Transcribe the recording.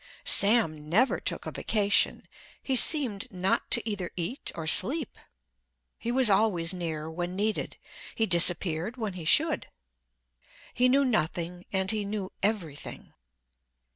Sam never took a vacation; he seemed not to either eat or sleep. He was always near when needed; he disappeared when he should. He knew nothing and he knew everything.